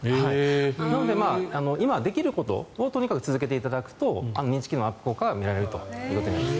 なので、今できることをとにかく続けていただくと認知機能アップ効果が見られるということになります。